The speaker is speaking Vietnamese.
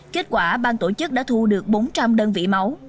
kết quả bang tổ chức đã thu được bốn trăm linh đơn vị máu